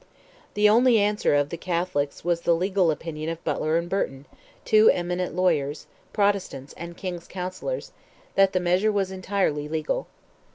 The only answer of the Catholics was the legal opinion of Butler and Burton, two eminent lawyers, Protestants and King's counsellors, that the measure was entirely legal.